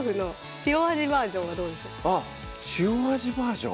塩味バージョン？